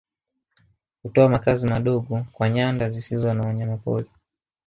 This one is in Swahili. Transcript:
Hutoa makazi madogo kwa nyanda zisizo na wanyamapori